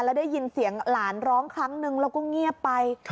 แล้วได้ยินเสียงหลานร้องครั้งนึงแล้วก็เงียบไป